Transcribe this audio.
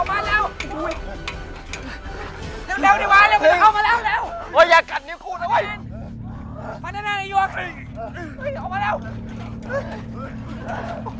อาอยุโอกอำนั้นอาอยุโอก